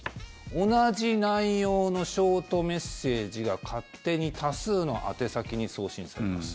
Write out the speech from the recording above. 同じ内容のショートメッセージが勝手に多数の宛先に送信されます。